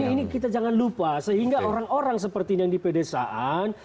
ini kita jangan lupa sehingga orang orang seperti yang di pedesaan